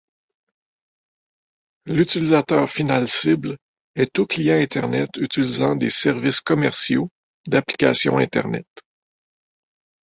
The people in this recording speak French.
L'utilisateur final cible est tout client Internet utilisant des services commerciaux d'applications Internet.